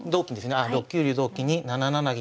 ああ６九竜同金に７七銀。